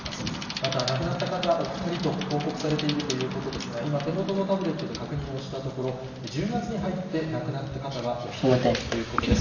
また、亡くなった方お２人と報告されているということですが、今、手元のタブレットで確認をしたところ、１０月に入って亡くなった方はお１人ということです。